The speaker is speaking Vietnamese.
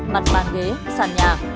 mặt bàn ghế sàn nhà